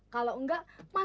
kalau enggak maka